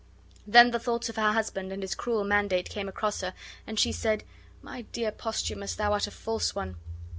Then the thoughts of her husband and his cruel mandate came across her, and she said, "My dear Posthumus, thou art a false one!"